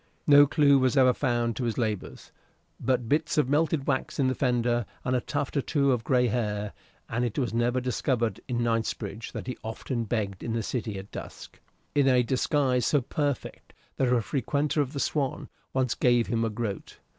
No clew was ever found to his labors but bits of melted wax in the fender and a tuft or two of gray hair, and it was never discovered in Knightsbridge that he often begged in the City at dusk, in a disguise so perfect that a frequenter of the "Swan" once gave him a groat.